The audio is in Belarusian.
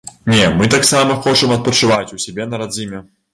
Не, мы таксама хочам адпачываць у сябе на радзіме.